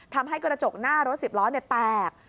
ทำให้กระจกหน้ารถ๑๐ล้อแตก